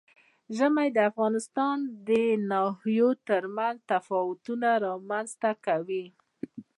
ژمی د افغانستان د ناحیو ترمنځ تفاوتونه رامنځ ته کوي.